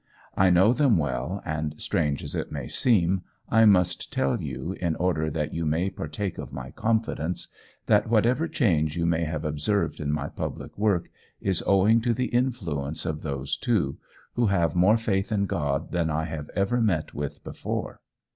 I know them well, and, strange as it may seem, I must tell you, in order that you may partake of my confidence, that whatever change you may have observed in my public work is owing to the influence of those two, who have more faith in God than I have ever met with before.